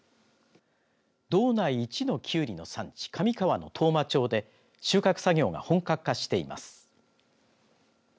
道内一のキュウリの産地上川の当麻町で収穫作業が本格化しています。